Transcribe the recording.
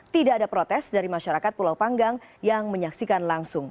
tidak ada protes dari masyarakat pulau panggang yang menyaksikan langsung